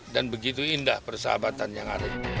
dan begitu indah persahabatan yang ada